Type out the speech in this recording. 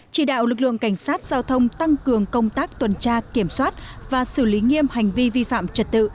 chỉ đạo lực lượng cảnh sát giao thông tăng cường công tác tuần tra kiểm soát và xử lý nghiêm hành vi vi phạm trật tự